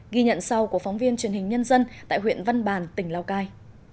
ghi nhận sau của phóng viên truyền hình nhân dân tại huyện văn bàn tỉnh lào cai